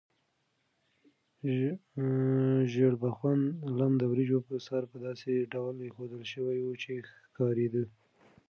ژیړبخون لم د وریجو په سر په داسې ډول ایښودل شوی و چې ښکارېده.